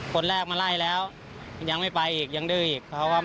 คนแรกมาไล่แล้วยังไม่ไปอีกยังดื้ออีก